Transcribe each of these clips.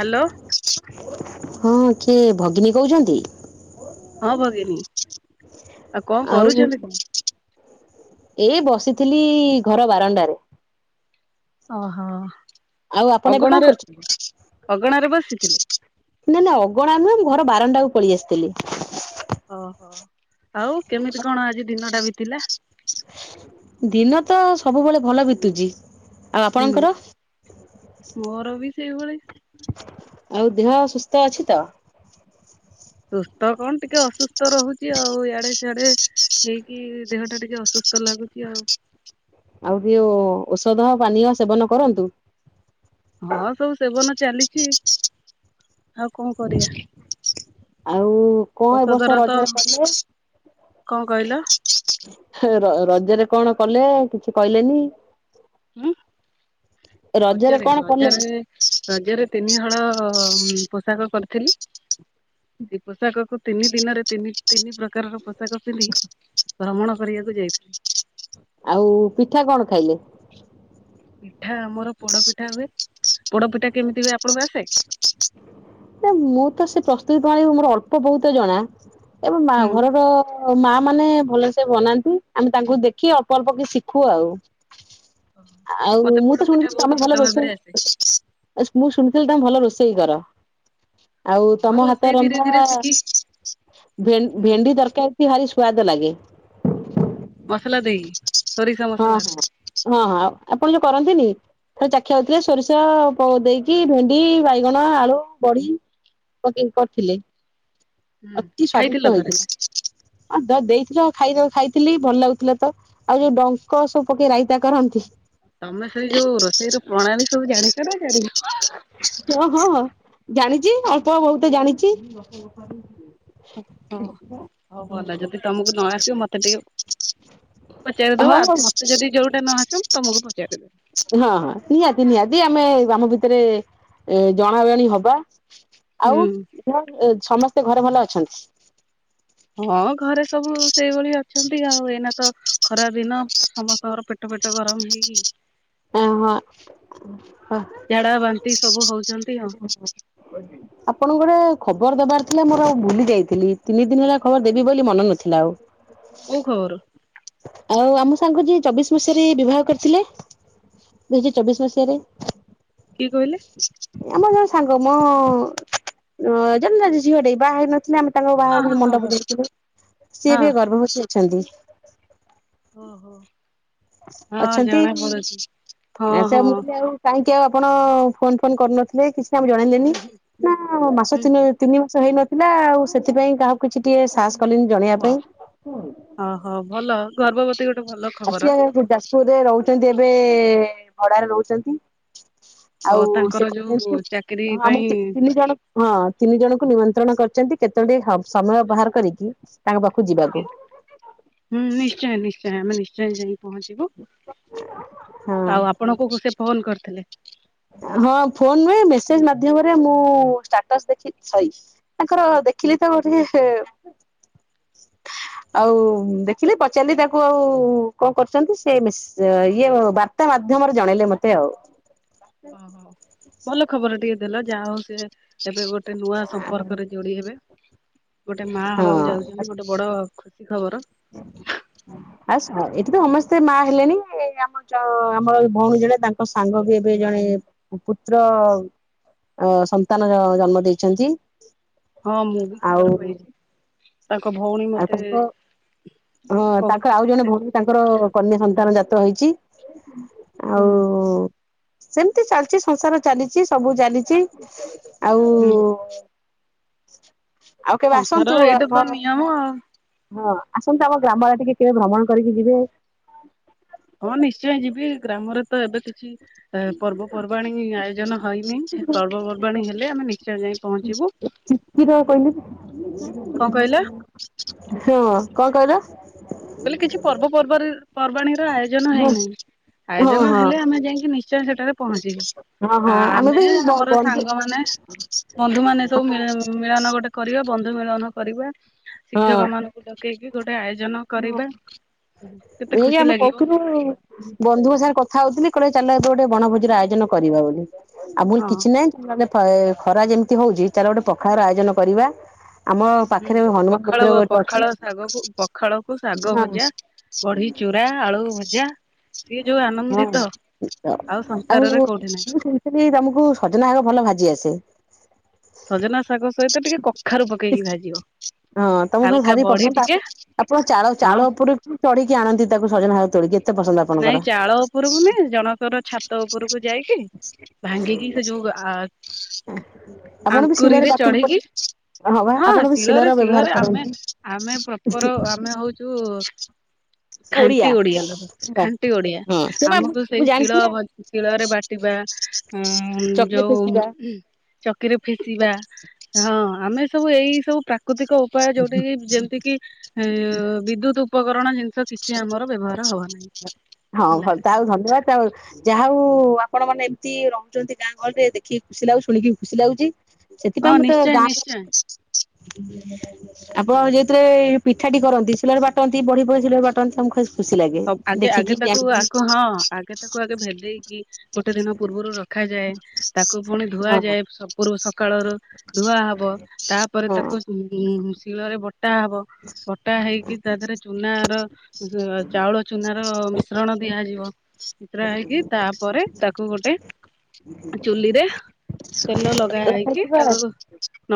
Hello. ହଁ କିଏ ଭଗିନୀ କହୁଚନ୍ତି? ହଁ ଭଗିନୀ ଆଉ କଣ କରୁଚନ୍ତି କଣ? ଏଇ ବସିଥିଲି ଘର ବାରଣ୍ଡାରେ। ଓହୋ ଆଉ ଆପଣ ଏବେ କଣ ଅଗଣାରେ କରୁଛନ୍ତି? ଅଗଣାରେ ବସିଥିଲି। ନାଁ ନାଁ ଅଗଣା ନୁହେଁ ମୁ ଘର ବାରଣ୍ଡା କୁ ପଳିଆସିଥିଲି। ଓହୋ ଆଉ କେମିତି କଣ ଆଜି ଦିନଟା ବିତିଲା? ଦିନ ତ ସବୁବେଳେ ଭଲ ବିତୁଚି। ଆଉ ହୁଁ ଆପଣଙ୍କର? ମୋର ବି ସେଇଭଳି ଆଉ ଦେହ ସୁସ୍ଥ ଅଛି ତ? ସୁସ୍ଥ କଣ ଟିକେ ଅସୁସ୍ଥ ରହୁଚି ଆଉ ଇଆଡେ ସିଆଡେ ହେଇକି ଦେହ ଟା ଟିକେ ଅସୁସ୍ଥ ଲାଗୁଚି ଆଉ। ଆଉ ବି ଓ ଔଷଧ ପାନୀୟ ସେବନ କରନ୍ତୁ। ହଁ ସବୁ ସେବନ ଚାଲିଚି। ଆଉ କଣ କରିବା? ଆଉ କଣ ଏ ଔଷଧର ବର୍ଷ ତ ରଜରେ କଲେ? କଣ କହିଲ ହେ ରଜରେ କଣ କଲେ କିଛି କହିଲେନି? ହୁଁ? ଏ ରଜରେ କଣ କଲେ? ରଜରେ ତିନିହଳ ପୋଷାକ କରିଥିଲି। ସେଇ ପୋଷାକକୁ ତିନି ଦିନରେ ତିନି ତିନି ପ୍ରକାରର ପୋ ଷାକ ପିନ୍ଧି ଭ୍ରମଣ କରିବାକୁ ଯାଇଥିଲି। ଆଉ ପିଠା କଣ ଖାଇଲେ? ପିଠା ମୋର ପୋଡପିଠା ହୁଏ। ପୋଡପିଠା କେମିତି ହୁଏ ଆପଣଙ୍କୁ ଆସେ? ନା ମୁଁ ତ ସେ ପ୍ରସ୍ତୁତି ପ୍ରଣାଳୀ ମୋର ଅଳ୍ପ ବହୁତ ଜଣା। ଏବଂ ମା ହୁଁ ଘରର ଅ ମାଆ ମାନେ ଭଲସେ ବନାନ୍ତି। ଆମେ ତାଙ୍କୁ ଦେଖି ଅଳ୍ପ ଅଳ୍ପ କିଛି ଶିଖୁ ଆଉ। ଆଉ ମତେ ମୁଁ ପୋଡ ତ ପିଠା ଶୁଣିଥିଲି ବହୁତ ତମେ ଭଲ ରୋଷେଇ, ଭାବରେ ଆସେ। ମୁଁ ଶୁଣିଥିଲି ତମେ ଭଲ ରୋଷେଇ ଇ କର। ଆଉ ହଁ ତମ ହାତ ରୋଷେଇ ଧୀରେ ରନ୍ଧା ଧୀରେ ଶିଖି ଭେ ହୁଁ ଭେଣ୍ଡି ତରକାରି ଭାରି ସ୍ଵାଦ ଲାଗେ। ମସଲା ଦେଇକି ସୋରିଷ ହଁ ମସଲା। ହଁ ଦେଇକି ହଁ ଆପଣ ଯୋଉ କରନ୍ତିନି। ଥରେ ଚାଖି ଆଉଥିଲେ ସୋରିଷ ପ ଦେଇକି ଭେଣ୍ଡି, ବାଇ ଗଣ, ଆଳୁ, ବଡି ପକେଇକି କରିଥିଲେ। ହୁଁ ଖାଇଥିଲ ଥରେ? ହଁ ଦ ଦେଇଥିଲ ଖାଇ ଖାଇଥିଲି ଭଲ ଲାଗୁଥିଲା ତ। ଆଉ ଯୋଉ ଡଙ୍କ ସବୁ ପକେଇ ରାଇତା କରନ୍ତି। ତମେ ସେଇ ଯୋଉ ରୋଷେଇର ପ୍ରଣାଳୀ ସବୁ ଜାଣିଛ ନା ଜାଣିନ? ହଁ ହଁ, ଜାଣିଚି, ଅଳ୍ପ ବହୁତେ ଜାଣିଚି। ହଉ, ଭଲ ଯଦି ତମକୁ ନ ଆସିବ ମତେ ଟିକେ ପଚାରିଦବ, ହଉ ହଉ ଆଉ ମତେ ଯଦି ଯୋଉଟା ନ ଆସିବ ତମକୁ ପଚାରିଦେବି। ହଁ ହଁ, ନିହାତି ନିହାତି। ଆମେ ଆମ ଭିତରେ ଜଣା ଜଣି ହବା ଆଉ ହୁଁ ଉଁ ସମସ୍ତେ ଘରେ ଭଲ ଅଛନ୍ତି? ହଁ ଘରେ ସବୁ ସେଇଭଳି ଅଛନ୍ତି ଆଉ। ଏଇନା ତ ଖରାଦିନ, ସମସ୍ତଙ୍କର ପେଟ ପେଟ ଗରମ ହେଇକି ଓହୋ। ଝାଡା ବାନ୍ତି ସବୁ ହଉଛନ୍ତି ଆଉ ଆପଣଙ୍କୁ ଗୋଟେ ଖବର ଦବାର ଥିଲା ମୋର ଆଉ ଭୁଲି ଯାଇଥିଲି। ତିନି ଦିନ ହେଲା ଖବର ଦେବି ବୋଲି ମନେ ନଥିଲା ଆଉ। କୋଉ ଖବର? ଆଉ ଆମ ସାଙ୍ଗ ଯିଏ ଚବିଶ ମସିହାରେ ବିବାହ କରିଥିଲେ ଦୁଇହଜାର ଚବିଶ ମସିହାରେ। କିଏ କହିଲେ? ଆମର ଜଣେ ସାଙ୍ଗ ମ, ଯେମତିଆ ଝିଅଟେ ବାହାହେଇ ନଥିଲେ ଆମେ ତାଙ୍କ ହଁ ବାହାଘର ହଁ ହଁ ମଣ୍ଡପ ଯାଇଥିଲେ, ସିଏ ହଁ ଏବେ ଗର୍ଭବତୀ ଅଛନ୍ତି। ଓହୋ। ଆଚ୍ଛା ଅଛନ୍ତି। ଆଚ୍ଛା। ହଁ ଆ ସେ ହଁ। ଆମକୁ ବି ଆଉ କାହିଁକି ଆଉ ଆପଣ ଫୋନ ଫୋନ କରୁନଥିଲେ କିଛି ଆମକୁ ହୁଁ ଜଣେଇଲେନି। ହୁଁ। ନା ହୁଁ ମାସ ତିନ ଏଟା ତିନି ମାସ ହେଇନଥିଲା ଆଉ ସେଥିପାଇଁ କାହାକୁ କିଛି ଟିକେ ସାହସ କଲିନି ଜଣେଇବା ପାଇଁ। ଓହୋ। ଭଲ, ଗର୍ଭବତୀ ଗୋଟେ ଭଲ ଖବର। ସିଏ ଯାଜପୁରରେ ରହୁଛନ୍ତି ଏବେ, ଭଡାରେ ରହୁଛନ୍ତି ଓ ଆଉ ତାଙ୍କର ସେ ଯୋଉ କହିଛନ୍ତି ଚାକିରି ପାଇଁ ଆମକୁ ତିନି ଜଣକୁ ହଁ ତିନି ଜଣଙ୍କୁ ନିମନ୍ତ୍ରଣ କରିଚନ୍ତି, କେତେବେଳେ ଟିକେ ହବ ସମୟ ବାହାର କରିକି, ତାଙ୍କ ପାଖକୁ ଯିବାକୁ। ହୁଁ ନିଶ୍ଚୟ ନିଶ୍ଚୟ, ଆମେ ନିଶ୍ଚୟ ଯାଇ ପହଞ୍ଚିବୁ। ହଁ ଆଉ ଆପ ଆପଣଙ୍କୁ ସେ ଫୋନ୍ କରିଥିଲେ। ହଁ ଫୋନ ନୁହେଁ, ମେସେଜ ମାଧ୍ୟମରେ ମୁଁ ଷ୍ଟାଟସ୍ ଦେଖି ସଇ ତାଙ୍କର ଦେଖିଲି ତ ହଉଚି ହେ [inaudible] ଆଉ ଦେଖିଲି, ପଚାରିଲି ତାକୁ ଆଉ କଣ କରୁଚନ୍ତି ସେ ମେସେ ସିଏ ଇଏ ବାର୍ତ୍ତା ମାଧ୍ୟମରେ ଜଣେଇଲେ ମତେ ଆଉ। ଓହୋ। ଭଲ ଖବର ଟିକେ ଦେଲା, ଯାହା ହଉ ସେ ଏବେ ଗୋଟେ ନୂଆ ସମ୍ପର୍କରେ ଯୋଡି ହେବେ। ଗୋଟେ ମାଆ ହବାକୁ ହଁ। ଯାଉଛନ୍ତି ଗୋଟେ ବଡ ଖୁସି ଖବର। ଆସ୍ ଏଠି ତ ସମସ୍ତେ ମା ହେଲେଣି ଆମ [unintelligible] ଆମ ଭଉଣୀ ଜଣେ ତାଙ୍କ ସାଙ୍ଗ ବି ଏବେ ଜଣେ ପୁତ୍ର ଅ ସନ୍ତାନ ଅ ଜନ୍ମ ଦେଇଛନ୍ତି। ହଁ ମୁଁ ବି ଆଉ ଖବର ପାଇଛି, ତାଙ୍କ ଭଉଣୀ ଆଉ ମତେ ତାଙ୍କ ହଁ କହୁ ତାଙ୍କ ଫୋନ ଆଉ ଜଣେ କରି ଭଉଣୀ କହୁଥିଲେ ତାଙ୍କର କନ୍ୟା ସନ୍ତାନ ଜାତ ହେଇଛି। ଆଉ ହୁଁ ସେମତି ଚାଲିଛି, ସଂସାର ଚାଲିଚି, ସବୁ ଚାଲିଚି। ଆଉ, ହୁଁ ଆଉ କେବେ ଆସନ୍ତୁ ସଂସାରର ଏଇଟା ତ ଆପ ନିୟମ ଆଉ। ହଁ ଆସନ୍ତୁ ଆମ ଗ୍ରାମ ଆଡ଼େ ଟିକେ କେବେ ଭ୍ରମଣ କରିକି ଯିବେ? ହଁ ନିଶ୍ଚୟ ଯିବି, ଗ୍ରାମରେ ତ ଏବେ କିଛି ଏ ପର୍ବପର୍ବାଣି ଆୟୋଜନ ହଇନି, ପର୍ବପର୍ବାଣି ହେଲେ ଆମେ ନିଶ୍ଚୟ ଯାଇ ପହଞ୍ଚିବୁ କିଏ ତ କହିଲି, କଣ କହିଲ ହଁ କଣ କହିଲ? ମୁଁ କହିଲି କିଛି ପର୍ବ ପର୍ବରେ ପର୍ବାଣିର ଆୟୋଜନ ହଁ ହେଇନାହିଁ। ହଁ ଆୟୋଜନ ହଁ ହେଲେ ଆମେ ଯାଇଁକି ନିଶ୍ଚୟ ସେଠାରେ ପହଞ୍ଚିବି। ହଁ ହଁ ଆମେ ଆ-ଆମେ, ବି ବ ଆମର ବନ୍ଧୁ ସାଙ୍ଗମାନେ, ବନ୍ଧୁମାନେ ସବୁ ମିଳ-ମିଳନ ଗୋଟେ କରିବା, ବନ୍ଧୁ ମିଳନ କରିବା। ଶିକ୍ଷକମାନଙ୍କୁ ଡକେଇକି ଗୋଟେ ଆୟୋଜନ କରିବା। କେତେ ହଁ ଏଇ ଖୁସି ଆମେ ଲାଗିବ କହୁଥିଲୁ ବନ୍ଧୁଙ୍କ ସାଙ୍ଗରେ କଥା ହଉଥିଲି, କହିଲେ ଚାଲ ଏବେ ଗୋଟେ ବଣଭୋଜିର ଆୟୋଜନ କରିବା ବୋଲି। ଆଉ ବୁଲ କିଛି ହୁଁ। ନାହିଁ ମାନେ ଖରା ଯେମିତି ହଉଚି ତାହଲେ ଗୋଟେ ପଖାଳର ଆୟୋଜନ କରିବା ଆମ ପାଖରେ ହନୁମାନ। ଭଦ୍ରକ ପଖାଳ ରେ ଅଛି ପଖାଳ ଶାଗକୁ ପଖାଳକୁ ଶାଗ ହଁ। ହଁ ଭଜା ବଢି ଚୁରା ଆଳୁ ଭଜା ସିଏ ଯୋଉ ଆନନ୍ଦିତ [unintelligible] ଆଉ ସଂସାରରେ ଆଉହୁଁ କୋଉଠି ନାହିଁ। ହୁ। ଦିଦି ତମକୁ ସଜନା ଶାଗୁ ଭଲ ଭାଜି ଆସେ। ସଜନା ଶାଗ ସହିତ ଟିକେ କଖାରୁ ପକେଇକି ଭାଜିବ। ହଁ ତମ ହାଲକା ଦ୍ଭାରି ବଢି ପସନ୍ଦ ଟିକେ ଆପଣ ଚାଳ ହଁ ଚାଳ ଉପରୁ ଚଢିକି ଆଣନ୍ତି ତାକୁ ସଜନା ଘାର ତୋଳିକି ଏତେ ପସନ୍ଦ ଆପଣଙ୍କର। ନାଇଁ ଚାଳ ଉପରକୁ ନ ଜଣଙ୍କର ଛାତ ଉପରକୁ ଯାଇକି। ଭଙ୍ଗିକି ସେ ଯୋଉ ଆ ଆପଣ ବି ଶିଳରେ ଆଙ୍କୁରିରେ ବାଟିକି ପଡି ଚଢିକି ବା ହଁ ଆପଣ ବି ଶିଳର ଶିଳରେ ଶି ବ୍ୟବହାର ଶିଳରେ ଆମେ କରନ୍ତି ଆମେ ପ୍ରପର ଆମେ ହଉଛୁ ଖଣ୍ଟି ଓଡିଆ। ଓଡ଼ିଆ ଲକ ଖାଣ୍ଟ ଖାଣ୍ଟି ଓଡିଆ ହଁ ସେ ବା ଆମକୁ ମୁଁ ସେଇ ଜାଣିଛି ଶିଳ ଶିଳରେ ବାଟିବା ଉ ଚକିରେ ଯୋଉ ଫେସିବା ଚକିରେ ଫେସିବା ହଁ ଆମେ ସବୁ ଏଇ ସବୁ ପ୍ରା ପ୍ରାକୃତିକ ଉପାୟ ଯୋଉଠା କି ଯେମତି କିି ଏ ବିଦ୍ୟୁତ ଉପକରଣ ଜିନିଷ କିଛି ଆମର ବ୍ୟବହାର ହବ ନାହିଁ। ହଁ ହେଲା ଭଲ ତାଉ ଧନ୍ୟବାଦ ଆଉ ଯାହା ହଉ ଆପଣ ମାନେ ଏମିତି ରହୁଚନ୍ତି ଗାଁ ଗହରେ ଦେଖିକି ଖୁସି ଲାଗୁଚି ଶୁଣିକି ଖୁସି ଲାଗୁଚି। ସେଥିପାଇଁ ହଁ ମୁଁ ତେ ନିଶ୍ଚୟ ଗାଁ। ନିଶ୍ଚୟ [unintelligible] ଆପଣ ଯେଉଥିରେ ପିଠାଟି କରନ୍ତି ସିଲର ବାଟନ୍ତି ବଢି ବଢି ସିଳରେ ବାଟନ୍ତି ଆମକୁ ଖ ଆଗେ ଆଗେ ତାକୁ ଆଗ ହଁ ଆଗେ ତାକୁ ଆଗେ ଭେଦେଇକି ଗୋଟେ ଦିନ ପୂର୍ବରୁ ରଖ ରଖାଯାଏ ତାକୁ ପୁଣି ହଁ ଧୁଆଯାଏ ସବୁରୁ ସକାଳ ର ଧୁଆ ହବ ତା ହଁ ତାକୁ ଶିଳରେ ବଟା ହବ ତା ଵଟା ହେଇକି ତା ଦେହରେ ଚୁନାର ଯୋ ଚାଉଳ ଚୁନାର ମିଶ୍ରଣ ଦିଆଯିବ ମିଶ୍ରା ହେଇକି ତାପରେ ତାକୁ ଗୋଟେ ଚୁଲିରେ ତେଲ ଲଗା ରଖ ହେଇକି ଯିବା ତାକୁ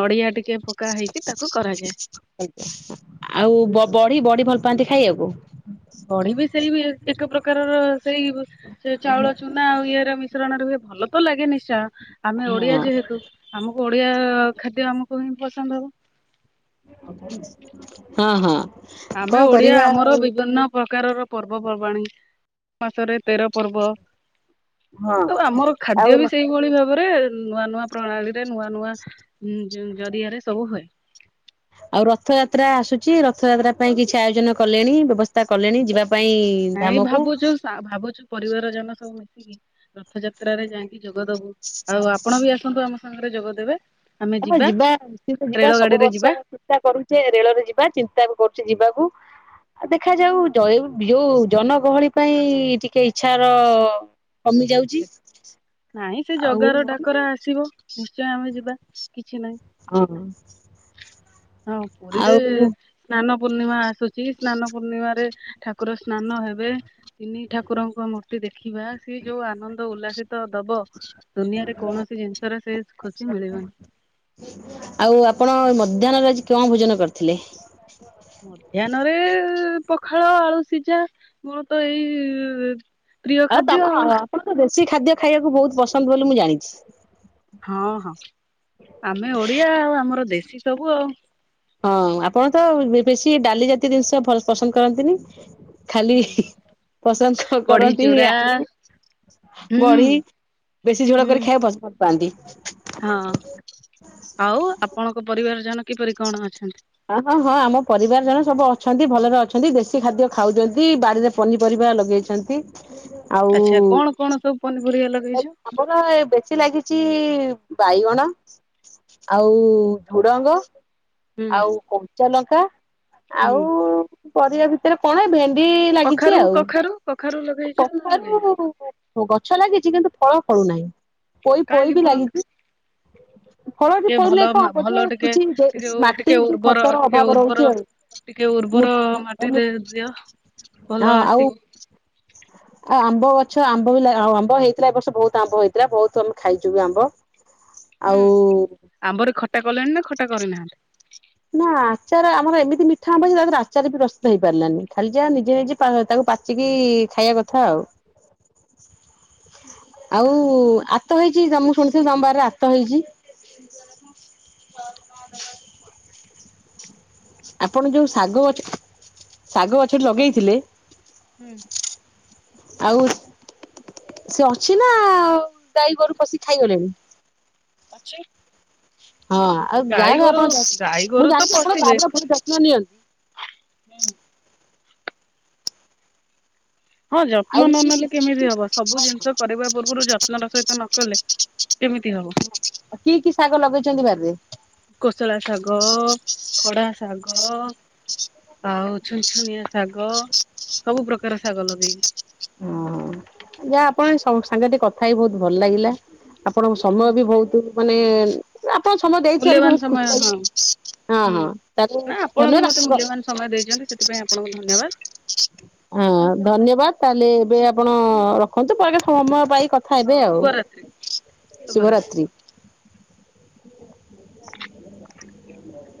ନଡ଼ିଆ ଟିକେ ପକା ହେଇକି ତାକୁ କରାଯାଏ। ଆଉ ବଢି ବଢି ଭଲ ପାଆନ୍ତି ଖାଇବାକୁ। ବଢି ବି ସେଇ ବି ଏକ ପ୍ରକାରର ସେଇ ସେ ଚାଉଳ ଚୁ ନା ଆଉ ଇଏ ର ମିଶ୍ରଣରେ ହୁଏ ଭଲ ତ ଲାଗେ ନିଶ୍ଚୟ ଆମେ ଓଡିଆ ହଁ ଯେହେତୁ ଆମକୁ ଓଡିଆ ଖାଦ୍ୟ ଆମକୁ ହିଁ ପସନ୍ଦ ହବ। ହଁ ହଁ। ଆମେ କଣ ଓଡିଆ କରିବା ଆମର ଆଉ ବିଭିନ୍ନ ପ୍ରକାରର ପର୍ବପର୍ବାଣିୀ। ମାସରେ ତେର ପର୍ବ ହଁ ଆଉ ଆମର ଆଉ ଖାଦ୍ୟ ବି ସେଇଭଳି ଭାବରେ। ନୂଆ ନୂଆ ପ୍ରଣାଳୀ ରେ ନୂଆ ନୂଆ ଜରିଆରେ ସବୁ ହୁଏ। ଆଉ ରଥଯାତ୍ରା ଆସୁଛି ରଥଯାତ୍ରା ପାଇଁ କିଛି ଆୟୋଜନ କଲେଣି ବ୍ୟବସ୍ଥା କଲେଣି ଯିବା ପାଇଁ ନାଇଁ ଧାମକୁ? ଭାବୁଚୁ ଭାବୁଛୁ ପରିବାର ଜଣ ସବୁ ମିଶିକି ରଥଯାତ୍ରାରେ ଯାଇି ଯୋଗଦବୁ ଆଉ ଆପଣ ବି ଆସନ୍ତୁ ଆମ ସାଙ୍ଗରେ ଯୋଗଦେବେ। ଆ ଯିବା ନିଶ୍ଚିନ୍ତ ଯିବା ରେଳ ସବୁ ଗାଡିରେ ବର୍ଷ ଯିବା। ଚିନ୍ତା କରୁଚେ ରେଳ ରେ ଯିବା ଚିନ୍ତା କରୁଡ଼େ ଯିବାକୁ। ଆ ଦେଖାଯାଉ ଯୋଉ ଜନ ଗହଳି ପାଇଁ ଟିକେ ଇଚଛାର କମି ଯାଉ ନାଇଁ ସେ ଜଗାର ନହେଲେ ଡାକରା ଆସିବ ନିଶ୍ଚୟ ଆମେ ଯିବା କିଛି ନାହିଁ। ହଁ। ହଁ ପୁରୀରେ ଆଉ ସ୍ନାନ ପୂର୍ଣ୍ଣିମା ଆସୁଛି ସ୍ନାନ ପୂର୍ଣ୍ଣିମାରେ ଠାକୁ ଠାକୁର ସ୍ନାନ ହେବେ ତିନି ଠାକୁରଙ୍କ ମୂର୍ତ୍ତି ଦେଖିବା ସି ଯୋଉ ଆନନ୍ଦ ଉଲ୍ଲାସିତ ଦବ ଦୁନିଆରେ କୌଣସି ଜିନିଷରେ ସେ ଖୁସି ମିଳିବନି। ଆଉ ଆପଣ ମଧ୍ୟାହ୍ନରେ ଆଜି କଣ ଭୋଜନ କରିଥିଲେ? ମଧ୍ୟାହନରେ ପଖାଳ ଆଳୁ ସିଝା ମୋର ତ ଏଇ ପ୍ରିୟ ଆଉ ତ ଖାଦ୍ୟ ଆପଣ ତ ଦେଶୀ ଖାଦ୍ୟ ଖାଇବାକୁ ବହୁତ ପସନ୍ଦ ବୋଲି ମୁଁ ଜାଣିଛି। ହଁ ହଁ ଆମେ ଓଡିଆ ଆଉ ଆମର ଦେଶୀ ସବୁ ଆଉ ହଁ ଆପଣ ତ ବେଶୀ ଡାଲି ଜାତୀୟ ଜିନିଷ ପସନ୍ଦ କରନ୍ତିନି। ଖାଲି ପସନ୍ଦ ବଢି କରନ୍ତି ଚୁରା ଆଗୁରୁ। ହୁଁ ବଢ଼ି ବେଶୀ ଝୋଳ ହୁଁ କରି ଖାଇବାକୁ ଭଲ ଭଲ ପାନ୍ତି। ହଁ ଆଉ ଆପଣଙ୍କ ପରିବାର ଜଣ କିପରି କଣ ଅଛନ୍ତି? ହଁ ହଁ ହଁ ଆମ ପରିବାର ଜଣ ସବୁ ଅଛନ୍ତି ଭଲରେ ଅଛନ୍ତି ଦେଶୀ ଖାଦ୍ୟ ଖାଉଛନ୍ତି ବାରିରେ ପନିପରିବା ଲଗେଇଛନ୍ତି। ଆଉ ଆଚ୍ଛା କଣ କଣ ସବୁ ପନିପରିବା ଲ ଆମର ବେଶୀ ଲାଗିଛି ବାଇଗଣ। ଆଉ ଝୁଡ଼ଙ୍ଗ ହୁଁ ଆଉ କଞ୍ଚା ଲଙ୍କା ଆଉ ହୁଁ ପରିବା ଭିତରେ କଣ ଏ ଭେ ଣ୍ଡି ଲାଗିଛି କଖାରୁ ଆଉ କଖାରୁ କଖାରୁ ଲଗେଇଛ ନା ଲଗେଇନ? କଖାରୁ ଗଛ ଲାଗିଛି କିନ୍ତୁ ଫଳ ଫଳୁ ନାହିଁ ପୋଇ ପୋଇ କାହିଁକି ବି ଫଳ ଲାଗିଛି। ଫଳ [inaudible] ଏଠି ଟିକେ ଭଲ ଫଳୁନାହିଁ କଣ ମା ବୋଧେ ଭଲ ଟିକେ କିଛି ଟିକେ ମାଟି ଟିକେ କି ଉର୍ବର ଖତର ଟିକେ ଅଭାବ ରହୁଛି ଉର୍ବର ଆଉ ଟିକେ ମୁ ଉର୍ବର ମାଟିରେ ଦିଅ ହଁ ଭଲ ଆଉ ଆସିବ। ଆଉ ଆମ୍ବ ଗଛ ଆମ୍ବ ବି ଲା ଆଉ ଆମ୍ବ ହେଇ ଥିଲା ଏ ବର୍ଷ ବହୁତ ଆମ୍ବ ହେଇଥିଲା ବହୁତ ଆମେ ଖାଇଛୁ ବି ଆମ୍ବ। ହୁଁ ଆଉ ଆମ୍ବରେ ଖଟା କଲେଣି ନା ଖଟା କରିନାହାନ୍ତି। ନା ଆଚାର ଆମର ଏମିତି ମିଠା ଆମ୍ବ ଯେ ତା ଦେହରେ ଆଚାର ବି ପ୍ରସ୍ତୁତ ହେଇ ପାରିଲାନି ଖାଲି ଯାହା ନିଜେ ନିଜେ ପା ତାକୁ ପା ଚିକି ଖାଇବା କଥା ଆଉ। ଆଉ ଆତ ହେଇଛି ତ ମୁଁ ଶୁଣିଥିଲି ତମବାରିରେ ଆତ ହେଇଛି। [inaudible] [inaudible] ଆପଣ ଯୋଉ ଶାଗ ଗଛ ଶାଗ ଗଛଟି ଲଗେଇଥିଲେ ହୁଁ। ଆଉ ସିଏ ଅଛି ନା ଗାଈ ଗୋରୁ ପଶିକି ଖାଇଗଲେଣି। ଅଛି। ହଁ ଆଉ ଯାହା ଗାଈ ହେଲେ ଗୋରୁ ଆପଣ ଗାଈ ଗୋରୁ ମୁଁ ତ ଜାଣିଛି ଆପଣ ପଶିବେ। ବାରିର ବହୁତ ଯତ୍ନ ନିଅନ୍ତି। ହଁ ଆଉ ଯତ୍ନ ନ ନେଲେ କେମିତି କି ହବ ସବୁ ଜିନିଷ କରିବା ପୂର୍ବରୁ ଯତ୍ନ ର ସହିତ ନ କଲେ କେମିତି ହବ? କି କି ଶାଗ ଲଗେଇଛନ୍ତି ବାରିରେ? କୋଷଳା ଶାଗ ଖଡ଼ା ଶାଗ ଆଉ ଛୁନଛୁନିଆ ଶାଗ ସବୁ ପ୍ରକାରର ଶାଗ ଲଗେଇଛି। ଓହୋ ଯା ଆପଣ ସଙ୍ଗ ସାଙ୍ଗେରେ ଟିକେ କଥା ହେଇ ବହୁତ ଭଲ ଲାଗିଲା। ଆପଣଙ୍କ ହୁଁ ସମୟ ବି ବହୁତ ମାନେ ଆପଣ ସମୟ ଦେଇଥିବାର ମୂଲ୍ୟବାନ ବହୁତ ସମୟ ଖୁସି ହଁ ହଁ ହୁଁ। ହଁ ତାହେଲେ ନା ଆପଣ ବି ଧନ୍ୟବାଦ ମତେ ମୂଲ୍ୟବାନ ସମୟ ଦେଇଛନ୍ତି ଆପଣଙ୍କ ସେଥିପାଇଁ ଆପଣଙ୍କୁ ଧନ୍ୟବାଦ। ହଁ ଧନ୍ୟବାଦ ତାହେଲେ ଏବେ ଆପଣ ରଖନ୍ତୁ ପରେ କେ ସମୟ ପାଇ କ ଥାହେବେ ହଉ ଆଉ ଶୁଭରାତ୍ରି ଶୁଭରାତ୍ରି। ଶୁଭରାତ୍ରୀ। [inaudible]